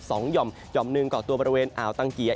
หย่อมหย่อมหนึ่งก่อตัวบริเวณอ่าวตังเกียร์